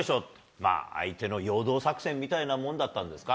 まあ、相手の揺動作戦みたいなもんだったんですか？